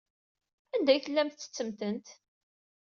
Anda ay tellam tettettem-tent?